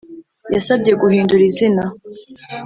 Yasabye guhindura izina .